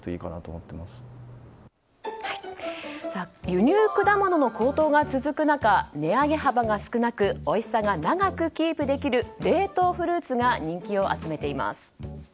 輸入果物の高騰が続く中値上げ幅が少なくおいしさが長くキープできる冷凍フルーツが人気を集めています。